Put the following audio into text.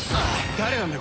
誰なんだ！？